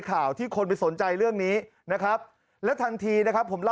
ถ้าปริ่น๔ชุดนะครับ